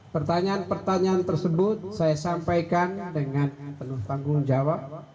pertanyaan pertanyaan tersebut saya sampaikan dengan penuh tanggung jawab